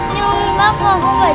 nhưng bác cường không phải trẻ